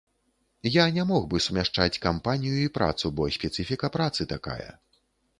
Я не мог бы сумяшчаць кампанію і працу, бо спецыфіка працы такая.